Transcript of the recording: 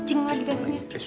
cing lagi jasnya